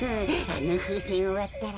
あのふうせんをわったら。